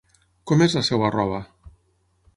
Com és la seva roba?